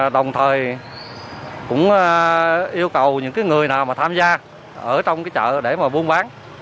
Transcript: đồng thời cũng yêu cầu những người nào mà tham gia ở trong cái chợ để mà buôn bán